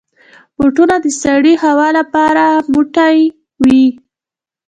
بوټونه د سړې هوا لپاره موټی وي.